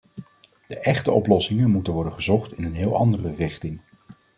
De echte oplossingen moeten worden gezocht in een heel andere richting.